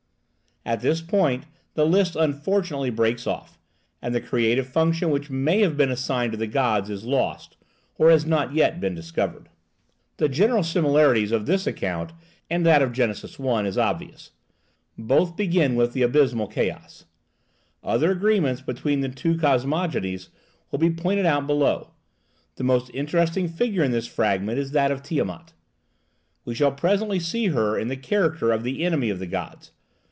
At this point the list unfortunately breaks off, and the creative function which may have been assigned to the gods is lost, or has not yet been discovered. The general similarity between this account and that of Gen. i. is obvious: both begin with the abysmal chaos. Other agreements between the two cosmogonies will be pointed out below. The most interesting figure in this fragment is that of Tiamat. We shall presently see her in the character of the enemy of the gods.